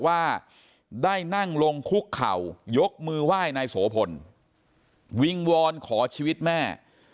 ว่าได้นั่งลงคุกเข่ายกมือไหว้นายโสพลวิงวอนขอชีวิตแม่